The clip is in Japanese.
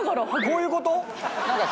こういうことか。